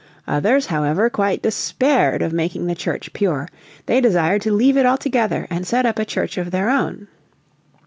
Others however quite despaired of making the Church pure. They desired to leave it altogether and set up a Church of their own.